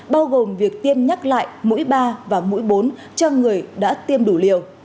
bao gồm việc tiêm nhắc lại mũi ba và mũi bốn cho người đã tiêm đủ liều